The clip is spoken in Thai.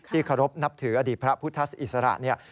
ที่ขอรบนับถืออดีตพระพุทธธิศระนี่